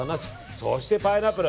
そしてパイナップル。